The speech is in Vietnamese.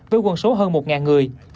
với quân số hơn một người